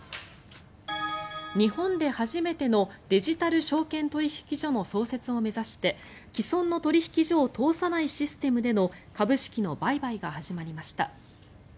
日本で初めてのデジタル証券取引所の創設を目指して既存の取引所を通さないシステムでの株式の売買が始まりました。